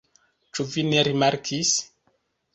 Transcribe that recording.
Ĉu vi ne rimarkis?